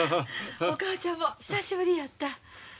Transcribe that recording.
お母ちゃんも久しぶりやった。